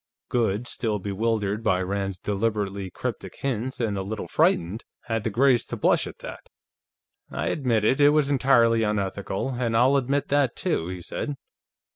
Goode, still bewildered by Rand's deliberately cryptic hints and a little frightened, had the grace to blush at that. "I admit it; it was entirely unethical, and I'll admit that, too," he said.